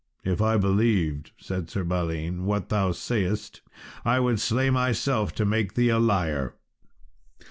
"If I believed," said Balin, "what thou sayest, I would slay myself to make thee a liar."